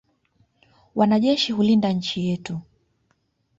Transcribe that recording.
Wanajeshi hulinda nchi yetu.